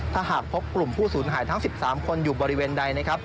ถ้าหากพบกลุ่มผู้สูญหายทั้ง๑๓คนอยู่บริเวณใดนะครับ